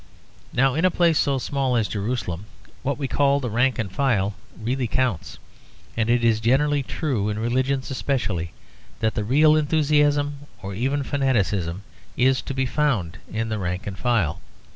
Now in a place so small as Jerusalem, what we call the rank and file really counts. And it is generally true, in religions especially, that the real enthusiasm or even fanaticism is to be found in the rank and file.